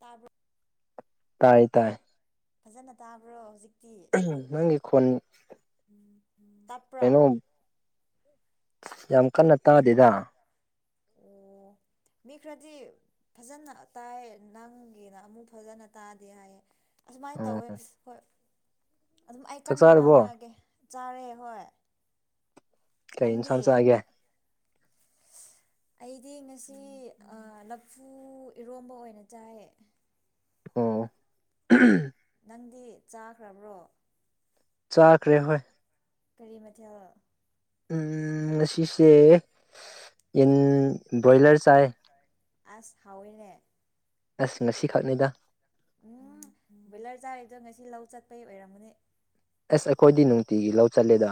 ꯇꯥꯕꯔꯣ ꯇꯥꯏ ꯇꯥꯏ ꯐꯖꯅ ꯇꯥꯕ꯭ꯔꯣ ꯍꯧꯖꯤꯛꯇꯤ ꯎꯝ ꯅꯪꯒꯤ ꯀꯣꯟ [inaudible] ꯇꯥꯄ꯭ꯔꯥ ꯌꯥꯝ ꯀꯟꯅ ꯇꯥꯗꯦꯗ ꯑꯣ ꯃꯤ ꯈꯔꯗꯤ ꯐꯖꯅ ꯇꯥꯏ ꯅꯪꯒꯤꯅ ꯑꯃꯨꯛ ꯐꯖꯅ ꯇꯥꯗꯦ ꯍꯥꯏꯌꯦ ꯑꯁꯨꯃꯥꯏꯅ ꯑꯣ ꯇꯧꯋꯦ ꯍꯣꯏ ꯑꯗꯨꯝ ꯑꯩ ꯆꯥꯛ ꯀꯟꯅ ꯆꯥꯔꯕꯣ ꯉꯥꯡꯉꯛꯑꯒꯦ ꯆꯥꯔꯦ ꯍꯣꯏ ꯀꯩ ꯅꯪꯗꯤ ꯏꯟꯁꯥꯡ ꯆꯥꯒꯦ [unintelligible] ꯑꯩꯗꯤ ꯉꯁꯤ ꯂꯐꯨ ꯏꯔꯣꯝꯕ ꯑꯣꯏꯅ ꯆꯥꯏ ꯑꯣ ꯅꯪꯗꯤ ꯆꯥꯈ꯭ꯔꯕ꯭ꯔꯣ ꯆꯥꯈ꯭ꯔꯦ ꯍꯣꯏ ꯀꯔꯤ ꯃꯊꯦꯜ ꯎ ꯁꯤꯁꯦ ꯌꯦꯟ ꯕꯣꯏꯂꯔ ꯆꯥꯏ ꯑꯁ ꯍꯥꯎꯋꯤꯅꯦ ꯑꯁ ꯉꯁꯤꯈꯛꯅꯤꯗ ꯎꯝ ꯕꯣꯢꯂꯔ ꯆꯥꯔꯤꯗꯣ ꯉꯁꯤ ꯂꯧ ꯆꯠꯄꯩ ꯑꯣꯏꯔꯝꯃꯅꯤ ꯑꯁ ꯑꯩꯈꯣꯏꯗꯤ ꯅꯨꯡꯇꯤꯒꯤ ꯂꯧ ꯆꯠꯂꯤꯗ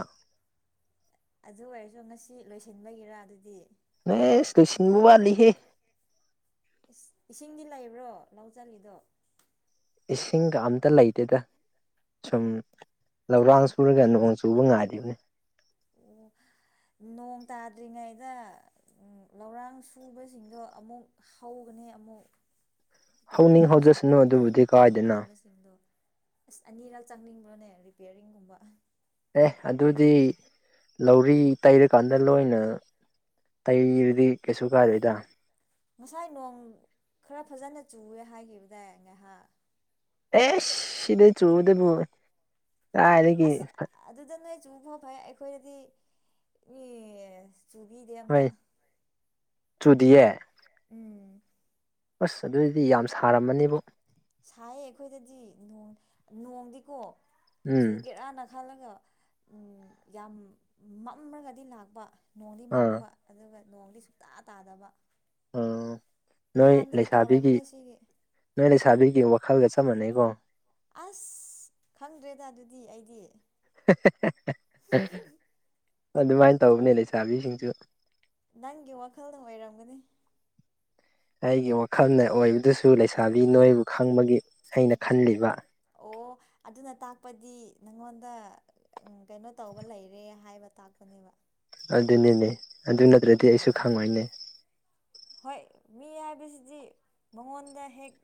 ꯑꯗꯨ ꯑꯣꯏꯔꯁꯨ ꯉꯁꯤ ꯂꯣꯏꯁꯤꯟꯕꯒꯤꯔ ꯑꯗꯨꯗꯤ ꯢꯁ ꯂꯣꯢꯁꯤꯟꯕ ꯋꯥꯥꯠꯂꯤꯍꯦ ꯏꯁꯤꯡꯗꯤ ꯂꯩꯕ꯭ꯔꯣ ꯂꯧ ꯆꯠꯂꯤꯗꯣ ꯏꯁꯤꯡꯒ ꯑꯝꯇꯥ ꯂꯩꯇꯦꯗ ꯁꯨꯝ ꯂꯧꯔꯥꯡ ꯁꯨꯔꯒ ꯅꯣꯡ ꯆꯨꯕ ꯉꯥꯏꯔꯤꯕꯅꯤ ꯑꯣ ꯅꯣꯡ ꯇꯥꯗ꯭ꯔꯤꯉꯩꯗ ꯂꯧꯔꯥꯡ ꯁꯨꯕꯁꯤꯡꯗꯣ ꯑꯃꯨꯛ ꯍꯧꯒꯅꯤ ꯑꯃꯨꯛ ꯀ ꯍꯧꯅꯤꯡ ꯀꯩꯅꯣꯁꯤꯡ ꯍꯧꯖꯁꯅꯨ ꯅꯥꯄꯤ ꯑꯗꯨꯕꯨꯗꯤ ꯀꯩꯅꯣ ꯀꯥꯏꯗꯅ ꯃꯥꯟꯕ ꯇꯝꯗꯣ ꯑꯁ ꯑꯅꯤꯔꯛ ꯆꯪꯅꯤꯡꯕ꯭ꯔꯣꯅꯦ ꯔꯤꯄꯤꯦꯌꯔꯤꯡꯒꯨꯝꯕ ꯑꯦ ꯑꯗꯨꯗꯤ ꯂꯧꯔꯤ ꯇꯩꯔꯀꯥꯟꯗ ꯂꯣꯏꯅ ꯇꯗꯨꯗꯤ ꯀꯩꯁꯨ ꯀꯥꯗꯣꯏꯗ ꯉꯁꯥꯏ ꯅꯣꯡ ꯈꯔ ꯐꯖꯅ ꯆꯨꯋꯦ ꯍꯥꯏꯈꯤꯕꯗꯥꯏ ꯉꯥꯏꯍꯥꯛ ꯑꯦ ꯁꯤꯗ ꯆꯧꯗ ꯄꯣ ꯑꯁ ꯑꯗꯨꯗ ꯅꯣꯏ ꯆꯕ ꯐꯩ ꯑꯩꯈꯣꯏꯗꯗꯤ ꯃꯤ ꯆꯨꯕꯤꯗꯦ ꯑꯝꯇ ꯍꯣꯏ ꯆꯨꯗꯤꯌꯦ ꯎꯝ ꯑꯕꯁ ꯑꯗꯨꯗꯤ ꯌꯥꯝ ꯁꯥꯔꯝꯃꯅꯤꯕꯨ ꯁꯥꯏꯌꯦ ꯑꯩꯈꯣꯏꯗꯗꯤ ꯅꯣꯡꯗꯤꯀꯣ ꯎꯝ ꯆꯨꯒꯦꯔꯥꯅ ꯈꯜꯂꯒ ꯌꯥꯝ ꯃꯝꯃꯒꯗꯤ ꯂꯥꯛꯄ ꯅꯣꯡꯗꯤ ꯑꯥ ꯃꯪꯕ ꯑꯗꯨꯒ ꯅꯣꯡꯗꯤ ꯁꯨꯇꯥ ꯇꯥꯗꯕ ꯑꯣ ꯅꯣꯏ ꯅꯍꯥꯟꯗꯒꯤ ꯂꯩꯁꯥꯕꯤꯒꯤ ꯇꯧꯔꯕꯅꯦ ꯁꯤꯒꯤ ꯅꯣꯏ ꯂꯩꯁꯥꯕꯤꯒꯤ ꯋꯥꯈꯜꯒ ꯆꯞ ꯃꯥꯟꯅꯩꯀꯣ ꯑꯁ ꯈꯪꯗ꯭ꯔꯦꯗ ꯑꯗꯨꯗꯤ ꯑꯩꯗꯤ ꯑꯗꯨꯃꯥꯏꯅ ꯇꯧꯕꯅꯦ ꯂꯩꯁꯥꯕꯤꯁꯤꯡꯁꯨ ꯅꯪꯒꯤ ꯋꯥꯈꯜꯅ ꯑꯣꯏꯔꯝꯒꯅꯤ ꯑꯩꯒꯤ ꯋꯥꯈꯜꯅ ꯑꯣꯏꯕꯗꯨꯁꯨ ꯂꯩꯁꯥꯕꯤ ꯅꯣꯏꯕꯨ ꯈꯪꯕꯒꯤ ꯑꯩꯅ ꯈꯜꯂꯤꯕ ꯑꯣ ꯑꯗꯨꯅ ꯇꯥꯛꯄꯗꯤ ꯅꯪꯉꯣꯟꯗ ꯎ ꯀꯩꯅꯣ ꯇꯧꯕ ꯂꯩꯔꯦ ꯍꯥꯏꯕ ꯇꯥꯛꯄꯅꯦꯕ ꯑꯗꯨꯅꯤꯅꯦ ꯑꯗꯨ ꯅꯠꯇ꯭ꯔꯗꯤ ꯑꯩꯁꯨ ꯈꯪꯉꯣꯏꯅꯦ ꯍꯣꯏ ꯃꯤ ꯍꯥꯏꯕꯁꯤꯗꯤ ꯃꯉꯣꯟꯗ ꯍꯦꯛ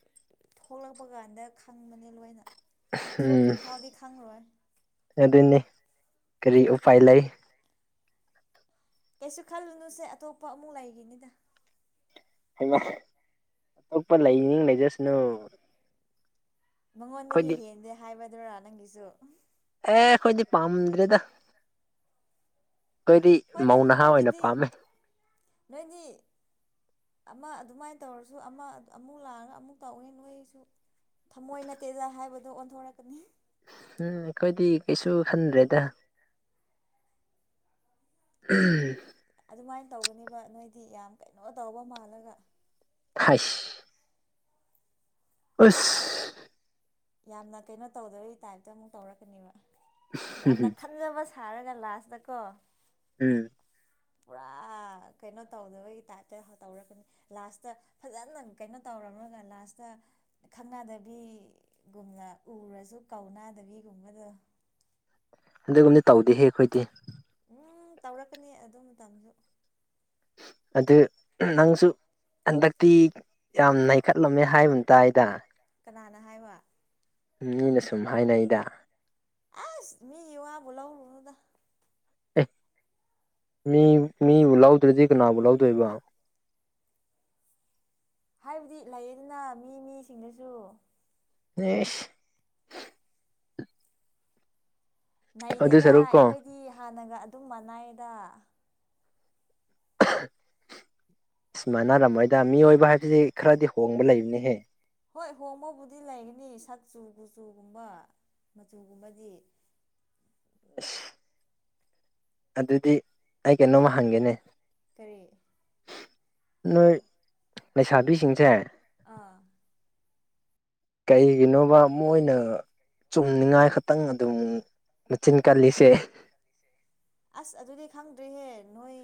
ꯊꯣꯛꯂꯛꯄ ꯀꯥꯟꯗ ꯈꯪꯕꯅꯦ ꯂꯣꯏꯅ ꯎꯝ ꯊꯣꯛꯇ꯭ꯔꯤ ꯐꯥꯎꯗꯤ ꯈꯪꯔꯣꯏ ꯑꯗꯨꯅꯤ ꯀꯔꯤ ꯎꯄꯥꯏ ꯂꯩ ꯀꯩꯁꯨ ꯈꯜꯂꯨꯅꯨꯁꯦ ꯑꯇꯣꯞꯄ ꯑꯃꯨꯛ ꯂꯩꯔꯤꯅꯤꯗ ꯑꯇꯣꯞꯄ ꯂꯩꯅꯤꯡ ꯂꯩꯖꯁꯅꯨ ꯃꯉꯣꯟꯗꯒꯤ ꯍꯦꯟꯗꯦ ꯍꯥꯏꯕꯗꯨꯔꯥ ꯅꯪꯒꯤꯁꯨ ꯑꯦ ꯑꯩꯈꯣꯏꯗꯤ ꯄꯥꯝꯗ꯭ꯔꯦꯗ ꯑꯩꯈꯣꯏꯗꯤ ꯍꯣꯏꯅꯦ ꯃꯧ ꯅꯍꯥ ꯑꯣꯏꯅ ꯅꯣꯏꯒꯤꯗꯤ ꯄꯥꯝꯃꯦ ꯅꯣꯏꯗꯤ ꯑꯃ ꯑꯗꯨꯃꯥꯏꯅ ꯇꯧꯔꯁꯨ ꯑꯃ ꯑꯃꯨꯛ ꯂꯥꯛꯑꯒ ꯑꯃꯨꯛ ꯇꯧꯏꯦ ꯅꯣꯏꯁꯨ ꯊꯃꯣꯏ ꯅꯠꯇꯦꯗ ꯍꯥꯏꯕꯗꯣ ꯑꯣꯟꯊꯣꯔꯛꯀꯅꯤ ꯎꯝ ꯑꯩꯈꯣꯏꯗꯤ ꯀꯩꯁꯨ ꯐꯟꯗ꯭ꯔꯦꯗ ꯎꯝ ꯑꯗꯨꯃꯥꯏꯅ ꯇꯧꯒꯅꯦꯕ ꯅꯣꯏꯗꯤ ꯌꯥꯝ ꯀꯩꯅꯣ ꯇꯧꯕ ꯃꯥꯜꯂꯒ ꯈꯥꯏꯁ ꯑꯁ ꯌꯥꯝꯅ ꯀꯩꯅꯣ ꯇꯧꯗꯩ ꯇꯥꯏꯞꯇ ꯑꯃꯨꯛ ꯇꯧꯔꯛꯀꯅꯦꯕ ꯌꯥꯝꯅ ꯈꯟꯖꯕ ꯊꯥꯔꯒ ꯂꯥꯁꯇꯀꯣ ꯎꯝ ꯄꯨꯔꯥ ꯀꯩꯅꯣ ꯇꯧꯗꯕꯒꯤ ꯇꯥꯏꯞꯇ ꯇꯧꯔꯛꯀꯅꯤ ꯂꯥꯁꯇ ꯐꯖꯅ ꯀꯩꯅꯣ ꯇꯧꯔꯝꯨꯔꯒ ꯂꯥꯁꯇ ꯈꯪꯅꯗꯕꯤ ꯒꯨꯝꯅ ꯎꯔꯁꯨ ꯀꯧꯅꯗꯕꯤꯒꯨꯝꯕꯗꯣ ꯑꯗꯨꯒꯨꯝꯕꯗꯤ ꯇꯧꯗꯦꯍꯦ ꯑꯩꯈꯣꯏꯗꯤ ꯎꯝ ꯇꯧꯔꯛꯀꯅꯤ ꯑꯗꯨ ꯃꯇꯝꯁꯨ ꯑꯗꯨ ꯅꯪꯁꯨ ꯍꯟꯗꯛꯇꯤ ꯌꯥꯝ ꯅꯩꯈꯠꯂꯝꯃꯦ ꯍꯥꯏꯕ ꯇꯥꯏꯗ ꯀꯅꯥꯅ ꯍꯥꯏꯕ ꯃꯤꯅ ꯁꯨꯝ ꯍꯥꯏꯅꯩꯗ ꯑꯁ ꯃꯤ ꯌꯋꯥꯕꯨ ꯂꯥꯎꯔꯅꯗ ꯑꯦ ꯃꯤ ꯃꯤꯕꯨ ꯂꯧꯥꯎꯗ꯭ꯔꯗꯤ ꯀꯅꯥꯕꯨ ꯂꯧꯥꯎꯗꯣꯏꯕ ꯍꯥꯏꯕꯗꯤ ꯂꯩꯌꯦꯗꯅ ꯃꯤ ꯃꯤꯁꯤꯡꯅꯁꯨ [unintelligible] ꯑꯗꯨ ꯅꯩꯗꯦꯗ ꯁꯔꯨꯛꯀꯣ ꯑꯩꯈꯣꯏꯗꯤ ꯍꯥꯟꯅꯒ ꯑꯗꯨꯝ ꯃꯅꯥꯏꯌꯦꯗ ꯑ ꯁꯃꯥꯟꯅꯔꯝꯃꯣꯏꯗ ꯃꯤꯑꯣꯏꯕ ꯍꯥꯏꯕꯁꯤ ꯈꯔꯗꯤ ꯍꯣꯡꯕ ꯂꯩꯕꯅꯤꯍꯦ ꯍꯣꯏ ꯍꯣꯡꯕꯕꯨꯗꯤ ꯂꯩꯒꯅꯤ ꯁꯛꯆꯨ ꯀꯨꯆꯨꯒꯨꯝꯕ ꯃꯆꯨꯒꯨꯝꯕꯗꯤ ꯑ ꯑꯗꯨꯗꯤ ꯑꯩ ꯀꯩꯅꯣꯝꯃ ꯍꯪꯒꯦꯅꯦ ꯇꯔꯦ ꯅꯣꯏ ꯂꯩꯁꯥꯕꯤꯁꯤꯡꯁꯦ ꯑꯥ ꯀꯩꯒꯤꯅꯣꯕ ꯃꯣꯏꯅ ꯆꯨꯝꯅꯤꯡꯉꯥꯏ ꯈꯛꯇꯪ ꯑꯗꯨꯝ ꯃꯆꯤꯟ ꯀꯜꯂꯤꯁꯦ ꯑꯁ ꯑꯗꯨꯗꯤ ꯈꯪꯗ꯭ꯔꯤꯍꯦ ꯅꯣꯏ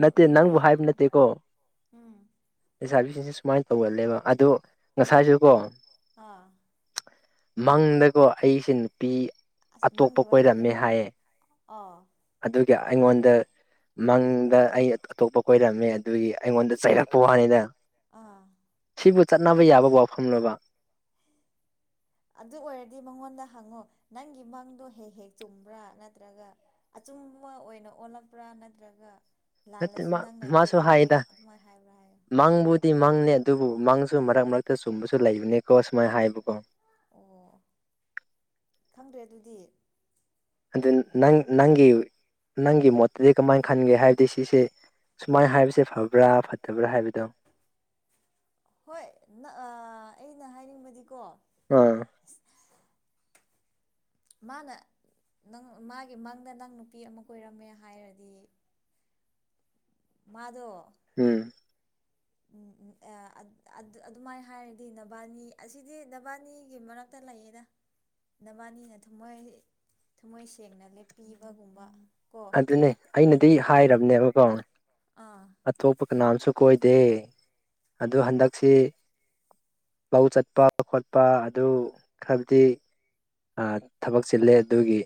ꯅꯠꯇꯦ ꯅꯣꯏ ꯅꯪꯕꯨ ꯍꯥꯏꯕ ꯅꯠꯇꯦꯀꯣ ꯎꯝ ꯂꯩꯁꯥꯕꯤꯁꯤꯡꯁꯦ ꯁꯨꯃꯥꯏꯅ ꯇꯧꯒꯜꯂꯦꯕ ꯑꯗꯣ ꯉꯁꯥꯏꯁꯨ ꯀꯣ ꯑꯥ ꯃꯪꯗꯀꯣ ꯑꯩꯁꯦ ꯅꯨꯄꯤ ꯑꯇꯣꯞꯄ ꯀꯣꯏꯔꯝꯃꯦ ꯍꯥꯏꯌꯦ ꯑ ꯑꯗꯨꯒꯒꯤ ꯑꯩꯉꯣꯟꯗ ꯃꯪꯗ ꯑꯩ ꯑꯇꯣꯞꯄ ꯀꯣꯏꯔꯝꯃꯦ ꯑꯗꯨꯒꯤ ꯑꯩꯉꯣꯟꯗ ꯆꯩꯔꯛꯄ ꯋꯥꯅꯤꯗ ꯑꯥ ꯁꯤꯕꯨ ꯆꯠꯅꯕ ꯌꯥꯕ ꯋꯥꯐꯝꯅꯦꯕ ꯑꯗꯨ ꯑꯣꯏꯔꯗꯤ ꯃꯉꯣꯟꯗ ꯍꯪꯉꯨ ꯅꯪꯒꯤ ꯃꯪꯗꯣ ꯍꯦꯛ ꯍꯦꯛ ꯆꯨꯝꯕ꯭ꯔꯥ ꯅꯠꯇ꯭ꯔꯒ ꯑꯆꯨꯝꯕ ꯑꯣꯏꯅ ꯑꯣꯜꯂꯛꯄ꯭ꯔꯥ ꯅꯠꯇ꯭ꯔꯒ ꯅꯠꯇꯦ ꯂꯥꯜꯂꯁꯨ ꯃꯥ ꯅꯪꯅ ꯃꯥꯁꯨ ꯆꯨꯝꯕꯒꯤ ꯍꯥꯏꯗ ꯑꯗꯨꯃꯥꯏꯅ ꯍꯥꯏꯕ꯭ꯔꯥ ꯍꯥꯏꯌꯣ ꯃꯪꯕꯨꯗꯤ ꯃꯪꯅꯦ ꯑꯗꯨꯕꯨ ꯃꯪꯁꯨ ꯃꯔꯛ ꯃꯔꯛꯇ ꯆꯨꯝꯕꯁꯨ ꯂꯩꯕꯅꯦꯀꯣ ꯁꯨꯃꯥꯏꯅ ꯍꯥꯏꯕꯀꯣ ꯑꯣ ꯈꯪꯗ꯭ꯔꯦ ꯑꯗꯨꯗꯤ ꯑꯗꯨ ꯅꯪ ꯅꯪꯒꯤ ꯅꯪꯒꯤ ꯃꯣꯠꯇꯗꯤ ꯀꯃꯥꯏ ꯈꯟꯒꯦ ꯍꯥꯏꯕꯗꯤ ꯁꯤꯁꯦ ꯁꯨꯃꯥꯏꯅ ꯍꯥꯏꯕꯁꯦ ꯐꯕ꯭ꯔꯥ ꯐꯠꯇꯕ꯭ꯔꯥ ꯍꯥꯏꯕꯗꯣ ꯍꯣꯏ ꯑꯩꯅ ꯍꯥꯏꯅꯤꯡꯕꯗꯤꯀꯣ ꯑꯝ ꯃꯥꯅ ꯅꯪ ꯃꯥꯒꯤ ꯃꯪꯗ ꯅꯪ ꯅꯨꯄꯤ ꯑꯃ ꯀꯣꯏꯔꯝꯃꯦ ꯍꯥꯏꯔꯗꯤ ꯃꯥꯗꯣ ꯎꯝ ꯑꯗꯨꯃꯥꯏꯅ ꯍꯥꯏꯔꯗꯤ ꯅꯕꯥꯅꯤ ꯑꯁꯤꯗꯤ ꯅꯕꯥꯅꯤꯒꯤ ꯃꯔꯛ ꯇꯂꯩꯌꯦꯗ ꯅꯕꯥꯅꯤꯅ ꯊꯝꯃꯣꯏ ꯊꯃꯣꯏ ꯁꯦꯡꯅ ꯂꯦꯞꯄꯤꯕꯒꯨꯝꯕ ꯀꯣ ꯑꯗꯨꯅꯦ ꯑꯩꯅꯗꯤ ꯍꯥꯏꯔꯕꯅꯦꯕꯀꯣ ꯑꯥ ꯑꯇꯣꯞꯄ ꯀꯅꯥꯝꯁꯨ ꯀꯣꯏꯗꯦ ꯑ ꯍꯟꯗꯛꯁꯤ ꯂꯧ ꯆꯠꯄ ꯈꯣꯠꯄ ꯑꯗꯨ ꯈꯕꯗꯤ ꯊꯕꯛ ꯆꯤꯜꯂꯦ ꯑꯗꯨꯒꯤ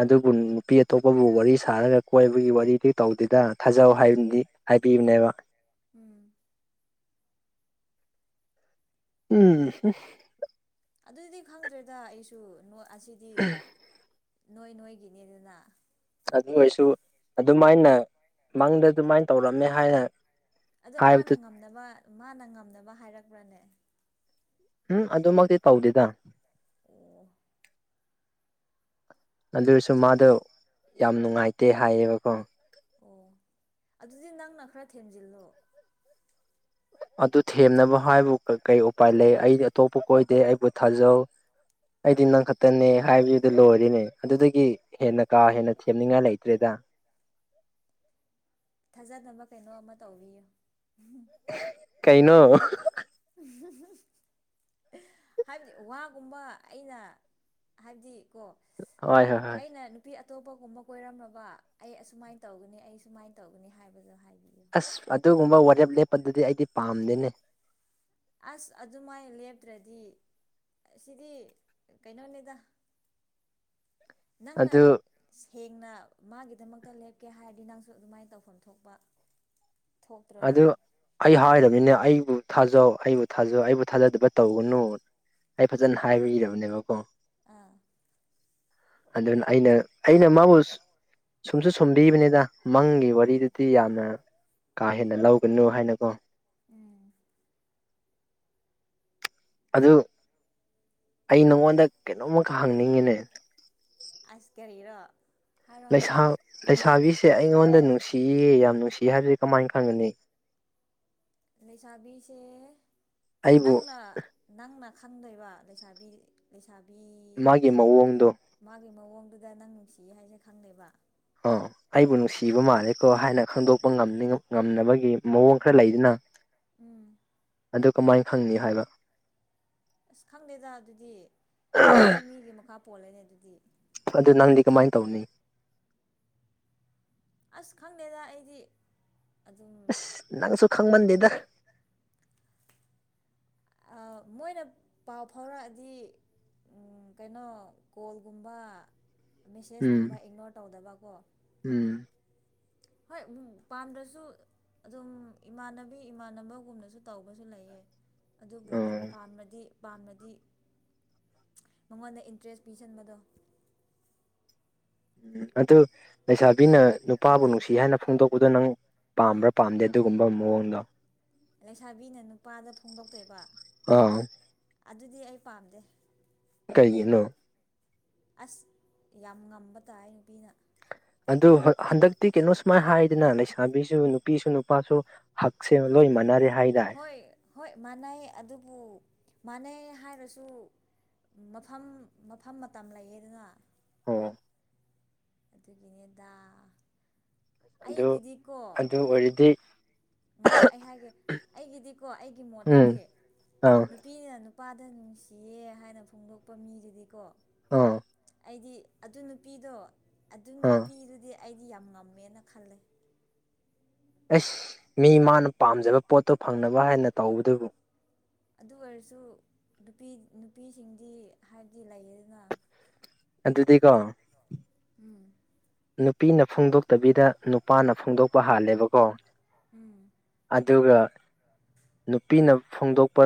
ꯑꯗꯨꯕꯨ ꯅꯨꯄꯤ ꯑꯇꯣꯞꯄꯕꯨ ꯋꯥꯔꯤ ꯁꯥꯔꯒ ꯀꯣꯏꯕꯒꯤ ꯋꯥꯔꯤꯗꯤ ꯇꯧꯗꯦꯗ ꯊꯥꯖꯧ ꯍꯥꯏꯕꯗꯤ ꯍꯥꯏꯕꯤꯕꯅꯦꯕ ꯎꯝ ꯎꯝ ꯑꯗꯨꯗꯤ ꯈꯪꯗ꯭ꯔꯦꯗ ꯑꯩꯁꯨ ꯑꯁꯤꯗꯤ ꯅꯣꯏ ꯅꯣꯏꯒꯤꯅꯦꯗꯅ ꯑꯗꯨ ꯑꯣꯏꯔꯁꯨ ꯑꯗꯨꯃꯥꯏꯅ ꯃꯪꯗ ꯑꯗꯨꯃꯥꯏꯅ ꯇꯧꯔꯝꯃꯦ ꯍꯥꯏꯅ ꯑꯗꯣ ꯍꯥꯏꯕꯗꯨ ꯃꯥꯅ ꯉꯝꯅꯕ ꯃꯥꯅ ꯉꯝꯅꯕ ꯍꯥꯏꯔꯛꯄ꯭ꯔꯅꯦ ꯎꯝ ꯑꯗꯨꯃꯛꯇꯤ ꯇꯧꯗꯦꯗ ꯑꯣ ꯑꯗꯨꯁꯨ ꯃꯥꯗꯣ ꯌꯥꯝ ꯅꯨꯡꯉꯥꯏꯇꯦ ꯍꯥꯏꯌꯦꯕꯀꯣ ꯑꯣ ꯑꯗꯨꯗꯤ ꯅꯪꯅ ꯈꯔ ꯊꯦꯟꯖꯤꯜꯂꯣ ꯑꯗꯨ ꯊꯦꯝꯅꯕ ꯍꯥꯏꯕꯨ ꯀꯩ ꯎꯄꯥꯏ ꯂꯩ ꯑꯩꯗꯤ ꯑꯇꯣꯞꯄ ꯀꯣꯏꯗꯦ ꯑꯩꯕꯨ ꯊꯥꯖꯧ꯫ ꯑꯩꯗꯤ ꯅꯪ ꯈꯛꯇꯅꯦ ꯍꯥꯏꯕꯗꯨꯗ ꯂꯣꯏꯔꯤꯅꯦ ꯑꯗꯨꯗꯒꯤ ꯍꯦꯟꯅ ꯀꯥ ꯍꯦꯟꯅ ꯊꯦꯝꯅꯤꯡꯉꯥꯏ ꯂꯩꯇ꯭ꯔꯦꯗ ꯊꯥꯖꯅꯕ ꯀꯩꯅꯣ ꯑꯃ ꯇꯧꯕꯤꯌꯨ꯫ ꯀꯩꯅꯅꯣ ꯎꯃꯍꯨ ꯍꯥꯏꯕꯗꯤ ꯋꯥꯒꯨꯝꯕ ꯑꯩꯅ ꯍꯥꯏꯕꯗꯤ ꯀꯣ ꯍꯣꯏ ꯍꯣꯏ ꯍꯣꯏ ꯑꯩꯅꯥ ꯅꯨꯄꯤ ꯑꯇꯣꯞꯄꯒꯨꯝꯕ ꯀꯣꯏꯔꯝꯃꯕ ꯑꯩ ꯑꯁꯨꯃꯥꯏꯅ ꯇꯧꯒꯅꯤ ꯑꯩ ꯁꯨꯃꯥꯏꯅ ꯇꯧꯒꯅꯤ ꯍꯥꯏꯕꯗꯨ ꯍꯥꯏꯕꯤꯌꯨ꯫ ꯑꯁ ꯑꯗꯨꯒꯨꯝꯕ ꯋꯥꯔꯦꯞ ꯂꯦꯞꯄꯗꯨꯗꯤ ꯑꯩꯗꯤ ꯄꯥꯝꯗꯦꯅꯦ꯫ ꯑꯁ ꯑꯗꯨꯃꯥꯏꯅ ꯂꯦꯞꯇ꯭ꯔꯗꯤ꯫ ꯁꯤꯗꯤ ꯀꯩꯅꯣꯅꯤꯗ ꯅꯪꯅ ꯑꯗꯨ ꯁꯦꯡꯅ ꯃꯥꯒꯤꯗꯃꯛꯇ ꯂꯦꯞꯀꯦ ꯍꯥꯏꯔꯗꯤ ꯅꯪꯁꯨ ꯑꯗꯨꯃꯥꯏꯅ ꯇꯧꯐꯝ ꯊꯣꯛꯄ ꯊꯣꯛꯇ꯭ꯔꯅꯦ ꯑꯗꯨ ꯑꯩ ꯍꯥꯏꯔꯕꯅꯤꯅ ꯑꯩꯕꯨ ꯊꯥꯖꯧ ꯑꯩꯕꯨ ꯊꯥꯖꯧ ꯑꯩꯕꯨ ꯊꯥꯖꯗꯕ ꯇꯧꯒꯅꯨ ꯑꯩ ꯐꯖꯅ ꯍꯥꯏꯕꯤꯔꯕꯅꯦꯕꯀꯣ ꯑꯥ ꯑꯗꯨꯅ ꯑꯩꯅ ꯑꯩꯅ ꯃꯥꯕꯨ ꯁꯨꯝꯁꯨ ꯁꯨꯝꯕꯤꯕꯅꯤꯗꯥ ꯃꯪꯒꯤ ꯎꯝ ꯋꯥꯔꯤꯗꯨꯗꯤ ꯌꯥꯝꯅ ꯀꯥ ꯍꯦꯟꯅ ꯂꯧꯒꯥꯅꯨ ꯍꯥꯏꯅꯀꯣ ꯎꯝ ꯑꯗꯨ ꯑꯩ ꯅꯪꯉꯣꯟꯗꯥ ꯀꯩꯅꯣꯝꯃꯈꯥ ꯍꯪꯅꯤꯡꯉꯤꯅꯦ꯫ ꯑꯁ ꯀꯔꯤꯔꯣ ꯍꯥꯏꯔꯣ ꯍꯥꯏꯔꯣ ꯂꯩꯁꯥꯕꯤꯁꯦ ꯑꯩꯉꯣꯟꯗ ꯅꯨꯡꯁꯤꯌꯦ ꯌꯥꯝ ꯅꯨꯡꯁꯤ ꯍꯥꯏꯕꯁꯦ ꯀꯃꯥꯏꯅ ꯈꯪꯒꯅꯤ꯫ ꯂꯩꯁꯥꯕꯤꯁꯦ ꯑꯩꯕꯨ ꯅꯪꯅ ꯅꯪꯅ ꯈꯟꯗꯣꯏꯕ ꯂꯩꯁꯥꯕꯤ ꯂꯩꯁꯥꯕꯤ ꯃꯥꯒꯤ ꯃꯑꯣꯡꯗꯣ ꯃꯥꯒꯤ ꯃꯑꯣꯡꯗꯨꯗꯥ ꯅꯪ ꯅꯨꯡꯁꯤꯌꯦ ꯍꯥꯏꯁꯦ ꯈꯪꯗꯦꯕ ꯑꯥ ꯑꯩꯕꯨ ꯅꯨꯡꯁꯤꯕ ꯃꯥꯜꯂꯦꯀꯣ ꯍꯥꯏꯅ ꯈꯪꯗꯣꯛꯄ ꯉꯝꯅꯤ ꯉꯝꯅꯕꯒꯤ ꯃꯑꯣꯡ ꯈꯔ ꯂꯩꯗꯥꯅ ꯎꯝ ꯑꯗꯨ ꯀꯃꯥꯏꯟ ꯈꯪꯅꯤ ꯍꯥꯏꯕ ꯑꯁ ꯈꯪꯗꯦꯗꯥ ꯑꯗꯨꯗꯤ ꯃꯤ ꯃꯤꯒꯤ ꯃꯈꯥ ꯄꯣꯜꯂꯦꯅꯦ ꯑꯗꯨꯗꯤ ꯑꯗꯨ ꯅꯪꯗꯤ ꯀꯃꯥꯏꯟ ꯇꯧꯅꯤ꯫ ꯑꯁ ꯈꯪꯗꯦꯗꯥ ꯑꯩꯗꯤ ꯑꯗꯨꯝ ꯑꯁ ꯅꯪꯁꯨ ꯈꯪꯃꯟꯗꯦꯗꯥ ꯑꯥ ꯃꯣꯏꯅ ꯄꯥꯎ ꯐꯥꯎꯔꯛꯑꯗꯤ ꯎꯝ ꯀꯩꯅꯣ ꯀꯣꯜꯒꯨꯝꯕ ꯎꯝ ꯃꯦꯁꯦꯁꯀꯨꯝꯕ ꯏꯛꯅꯣꯔ ꯇꯧꯗꯕꯀꯣ ꯎꯝ ꯍꯣꯏ ꯄꯥꯝꯗ꯭ꯔꯁꯨ ꯑꯗꯨꯝ ꯏꯃꯥꯟꯅꯕꯤ ꯏꯃꯥꯟꯅꯕꯒꯨꯝꯅꯁꯨ ꯇꯧꯕꯁꯨ ꯂꯩꯌꯦ꯫ ꯑꯗꯨꯕꯨ ꯑꯣ ꯄꯥꯝꯔꯥꯗꯤ꯫ ꯄꯥꯝꯔꯥꯗꯤ ꯃꯉꯣꯟꯗꯥ ꯏꯟꯇꯔꯦꯁ ꯄꯤꯁꯟꯕꯗꯣ ꯎꯝ ꯑꯗꯨ ꯂꯩꯁꯥꯕꯤꯅ ꯅꯨꯄꯥꯕꯨ ꯅꯨꯡꯁꯤ ꯍꯥꯏꯅ ꯐꯣꯡꯗꯣꯛꯄꯗꯣ ꯅꯪ ꯄꯥꯝꯕ꯭ꯔꯥ ꯄꯥꯝꯗꯦ ꯑꯗꯨꯒꯨꯝꯕ ꯃꯑꯣꯡꯗꯣ ꯂꯩꯁꯥꯕꯤꯅ ꯅꯨꯄꯥꯗꯥ ꯐꯣꯡꯗꯣꯛꯇꯣꯏꯕ ꯑꯥ ꯑꯗꯨꯗꯤ ꯑꯩ ꯄꯥꯝꯗꯦ꯫ ꯀꯩꯒꯤꯅꯣ ꯑꯁ ꯌꯥꯝ ꯉꯝꯕ ꯇꯥꯏ ꯅꯨꯄꯤꯅ ꯑꯗꯨ ꯍꯟꯗꯛꯇꯤ ꯀꯩꯅꯣ ꯁꯨꯃꯥꯏꯅ ꯍꯥꯏꯗꯅ ꯂꯩꯁꯥꯕꯤꯁꯨ ꯅꯨꯄꯤꯁꯨ ꯅꯨꯄꯥꯁꯨ ꯍꯛꯁꯦ ꯂꯣꯏ ꯃꯥꯅꯔꯦ ꯍꯥꯏꯗꯥꯏ ꯍꯣꯏ ꯍꯣꯏ ꯃꯥꯟꯅꯩ ꯑꯗꯨꯕꯨ ꯃꯥꯟꯅꯩ ꯍꯥꯏꯔꯁꯨ ꯃꯐꯝ ꯃꯐꯝ ꯃꯇꯝ ꯂꯩꯌꯦꯗꯅ ꯑꯣ ꯑꯗꯨꯒꯤꯅꯦꯗꯥ ꯑꯗꯨ ꯑꯩꯒꯤꯗꯤꯀꯣ ꯑꯗꯨ ꯑꯣꯏꯔꯗꯤ ꯉꯥꯏꯈꯣ ꯑꯩ ꯍꯥꯏꯒꯦ ꯑꯩꯒꯤꯗꯤꯀꯣ ꯑꯩꯒꯤ ꯎꯝ ꯃꯣꯠꯇꯥꯗꯤ ꯑꯥ ꯅꯨꯄꯤꯅ ꯅꯨꯄꯥꯗ ꯅꯨꯡꯁꯤꯌꯦ ꯍꯥꯏꯅ ꯐꯣꯡꯗꯣꯛꯄ ꯃꯤꯗꯨꯗꯤꯀꯣ ꯑꯥ ꯑꯩꯗꯤ ꯑꯗꯨ ꯅꯨꯄꯤꯗꯣ ꯑꯗꯨ ꯑꯥ ꯅꯨꯄꯤꯗꯨꯗꯤ ꯑꯩꯗꯤ ꯌꯥꯝ ꯉꯝꯃꯦꯅ ꯈꯜꯂꯦ [unintelligible] ꯏꯁ ꯃꯤ ꯃꯥꯅ ꯄꯥꯝꯖꯕ ꯄꯣꯠꯇꯣ ꯐꯪꯅꯕ ꯍꯥꯏꯅ ꯇꯧꯕꯗꯨꯕꯨ ꯑꯗꯨ ꯑꯣꯏꯔꯁꯨ ꯅꯨꯄꯤ ꯅꯨꯄꯤꯁꯤꯡꯗꯤ ꯍꯥꯏꯕꯗꯤ ꯂꯩꯌꯦꯗꯥꯅ ꯑꯗꯨꯗꯤ ꯀꯣ ꯎꯝ ꯅꯨꯄꯤꯅ ꯐꯣꯡꯗꯣꯛꯇꯕꯤꯗ ꯅꯨꯄꯥꯅ ꯐꯣꯡꯗꯣꯛꯄ ꯍꯥꯜꯂꯦꯕꯀꯣ ꯎꯝ ꯑꯗꯨꯒ ꯅꯨꯄꯤꯅ ꯐꯣꯡꯗꯣꯛꯄ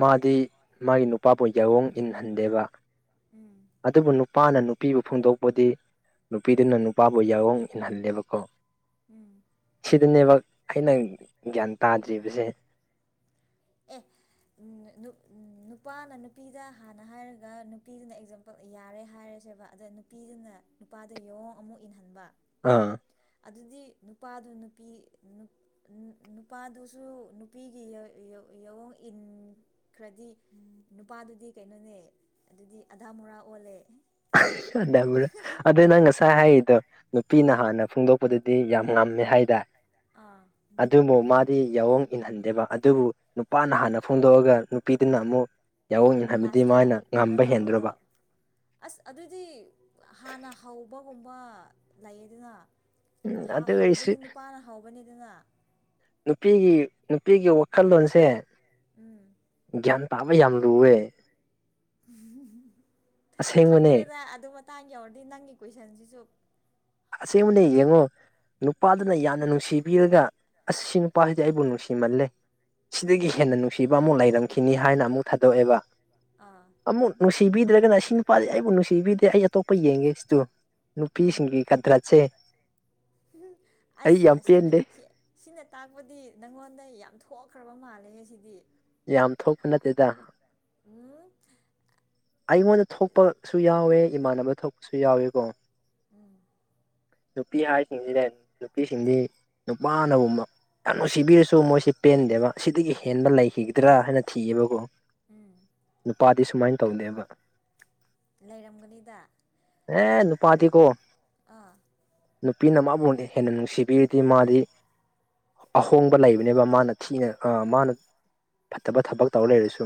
ꯃꯥꯗꯤ ꯃꯥꯒꯤ ꯅꯨꯄꯥꯕꯨ ꯌꯥꯋꯣꯡ ꯏꯟꯍꯟꯗꯦꯕ ꯎꯝ ꯑꯗꯨꯕꯨ ꯅꯨꯄꯥꯅ ꯅꯨꯄꯤꯕꯨ ꯐꯣꯡꯗꯣꯛꯄꯗꯤ ꯅꯨꯄꯤꯗꯨꯅ ꯅꯨꯄꯥꯕꯨ ꯌꯥꯑꯣꯡ ꯏꯟꯍꯜꯂꯦꯕꯀꯣ ꯎꯝ ꯁꯤꯗꯅꯦꯕ ꯑꯩꯅ ꯒ꯭ꯌꯥꯟ ꯇꯥꯗ꯭ꯔꯤꯕꯁꯦ꯫ ꯑꯦ ꯅꯨꯄꯥꯅ ꯅꯨꯄꯤꯗ ꯍꯥꯟꯅ ꯍꯥꯏꯔꯒꯠꯟ ꯅꯨꯄꯤꯗꯨꯅ ꯑꯦꯛꯖꯥꯝ ꯌꯥꯔꯦ ꯍꯥꯏꯔꯁꯦꯕ ꯑꯗ ꯅꯨꯄꯤꯗꯨꯅ ꯪꯪꯅꯨꯄꯥꯗ ꯌꯦꯡꯉꯣ ꯑꯃꯨꯛ ꯏꯟꯍꯟꯕ ꯑꯥ ꯑꯗꯨꯗꯤ ꯅꯨꯄꯥꯗꯨ ꯅꯨꯄꯤ ꯅꯨꯄꯥꯗꯨꯁꯨ ꯅꯨꯄꯤꯒꯤ ꯌꯥꯋꯡ ꯏꯟꯈ꯭ꯔꯗꯤ ꯅꯨꯄꯥꯗꯨꯗꯤ ꯀꯩꯅꯣꯅꯦ ꯑꯗꯨꯗꯤ ꯑꯙꯥ ꯃꯣꯔꯥ ꯑꯣꯜꯂꯦ ꯑꯗ ꯑꯗꯨ ꯅꯪ ꯉꯁꯥꯏ ꯍꯥꯏꯒꯤꯗꯣ ꯅꯨꯄꯤꯅ ꯍꯥꯟꯅ ꯐꯣꯡꯗꯣꯛꯄꯗꯗꯤ ꯌꯥꯝ ꯉꯝꯃꯦ ꯍꯥꯏꯗ ꯑꯥ ꯑꯗꯨꯕꯨ ꯃꯥꯗꯤ ꯌꯥꯑꯣꯡ ꯏꯟꯍꯟꯗꯦꯕ ꯑꯗꯨꯕꯨ ꯅꯨꯄꯥꯅ ꯍꯥꯟꯅ ꯐꯣꯡꯗꯣꯛꯑꯒ ꯅꯨꯄꯤꯗꯨꯅ ꯑꯃꯨꯛ ꯌꯥꯎꯑꯣꯅꯤ ꯍꯥꯏꯕꯗꯤ ꯂꯥꯁꯇ ꯃꯥꯅ ꯀꯩꯅꯣ ꯉꯝꯕ ꯍꯦꯟꯗ꯭ꯔꯕ ꯇꯧꯕꯗꯣ ꯑꯁ ꯑꯗꯨꯗꯤ ꯍꯥꯟꯅ ꯍꯧꯕꯒꯨꯝꯕ ꯂꯩꯌꯦ ꯑꯗꯨꯅ ꯎꯝ ꯑꯗꯨ ꯑꯣꯏꯔꯁꯨ ꯍꯧꯕꯗꯤ ꯅꯨꯄꯥꯅ ꯍꯧꯕꯅꯤꯗꯅ ꯅꯨꯄꯤꯒꯤ ꯅꯨꯄꯤꯒꯤ ꯋꯥꯈꯜꯂꯣꯟꯁꯦ ꯎꯝ ꯒ꯭ꯌꯥꯟ ꯇꯥꯕ ꯌꯥꯝ ꯂꯨꯋꯦ ꯑꯁꯦꯡꯕꯅꯦ ꯈꯪꯗ꯭ꯔꯦꯗ ꯑꯗꯨ ꯃꯇꯥꯡ ꯌꯧꯔꯗꯤ ꯅꯪꯒꯤ ꯀꯣꯏꯁꯟꯁꯤꯁꯨ ꯑꯁꯉ ꯅ ꯌꯦꯡꯉꯣ ꯅꯨꯄꯥꯗꯨꯅ ꯌꯥꯝꯅ ꯅꯨꯡꯁꯤꯕꯤꯔꯒ ꯑꯁ ꯁꯤ ꯅꯨꯄꯥꯁꯤꯗꯤ ꯑꯩꯕꯨ ꯅꯨꯡꯁꯤꯃꯜꯂꯦ ꯁꯤꯗꯒꯤ ꯍꯦꯟꯅ ꯅꯨꯡꯁꯤꯕ ꯑꯃꯨꯛ ꯂꯩꯔꯝꯈꯤꯅꯤ ꯍꯥꯏꯅ ꯑꯃꯨꯛ ꯊꯥꯗꯣꯛꯑꯦꯕ ꯑꯥ ꯑꯃꯨꯛ ꯅꯨꯡꯁꯤꯕꯤꯗ꯭ꯔꯒꯅ ꯁꯤ ꯅꯨꯄꯥꯥꯔꯤ ꯑꯩꯕꯨ ꯅꯨꯡꯁꯤꯕꯤꯗꯦ ꯑꯩ ꯑꯇꯣꯞꯄ ꯌꯦꯡꯒꯦ ꯁꯤꯇꯣ ꯅꯨꯄꯤꯁꯤꯡꯒꯤ ꯎꯝ ꯑꯩ ꯑꯁ ꯌꯥꯝ ꯑꯁꯤ ꯅ ꯄꯦꯟꯗꯦ ꯁꯤ ꯁꯤꯅ ꯇꯥꯛꯄꯗꯤ ꯅꯪꯉꯣꯟꯗ ꯌꯥꯝ ꯊꯣꯛꯈ꯭ꯔꯕ ꯃꯥꯜꯂꯦ ꯁꯤꯗꯤ ꯌꯥꯝ ꯊꯣꯛꯄ ꯅꯠꯇꯦꯗ ꯎꯝ ꯑꯩꯉꯣꯟꯗ ꯊꯣꯛꯄꯁꯨ ꯌꯥꯎꯋꯦ ꯏꯃꯥꯟꯅꯕ ꯊꯣꯛꯄꯁꯨ ꯌꯥꯎꯋꯦ ꯀꯣ ꯎꯝ ꯅꯨꯄꯤ ꯍꯥꯏꯔꯤꯁꯤꯡꯁꯤꯗ ꯅꯨꯄꯤꯁꯤꯡꯗꯤ ꯅꯨꯄꯥꯅꯒꯨꯝꯕ ꯌꯥꯝ ꯅꯨꯡꯁꯤꯕꯤꯔꯁꯨ ꯃꯣꯏꯁꯤ ꯄꯦꯟꯗꯦꯕ ꯁꯤꯗꯒꯤ ꯍꯦꯟꯕ ꯂꯩꯈꯤꯒꯗ꯭ꯔꯥ ꯍꯥꯏꯅ ꯊꯤꯑꯕꯀꯣ ꯎꯝ ꯅꯨꯄꯥꯗꯤ ꯁꯨꯃꯥꯏꯅ ꯇꯧꯗꯦꯕ ꯂꯩꯔꯝꯒꯅꯤꯗ ꯍꯦ ꯅꯨꯄꯥꯇꯤ ꯀꯣ꯫ ꯑꯥ ꯅꯨꯄꯤꯅ ꯃꯥꯕꯨꯨ ꯍꯦꯟꯅ ꯅꯨꯡꯁꯤꯕꯤꯔꯗꯤ ꯃꯥꯗꯤ꯫ ꯑꯍꯣꯡꯕ ꯂꯩꯕꯅꯦꯕ ꯃꯥꯅ ꯊꯤꯅ ꯑ ꯃꯥꯅ ꯐꯠꯇꯕ ꯊꯕꯛ ꯇꯧꯔ ꯂꯩꯔꯁꯨ꯫